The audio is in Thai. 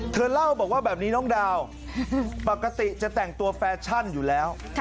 เธอเล่าบอกว่าแบบนี้น้องดาวปกติจะแต่งตัวแฟชั่นอยู่แล้ว